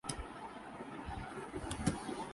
چنانچہ اب فتوے کا مطلب ہی علما کی طرف سے